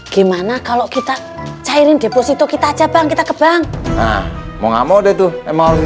sehari hari memberi pengisi tuhan saya